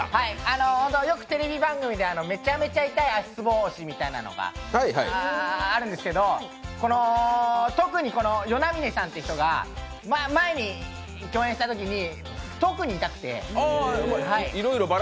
よくテレビ番組で、めちゃめちゃ痛い足つぼ押しみたいなのがあるんですけど、特に與那嶺さんという人が、前に共演したときに特に痛くて。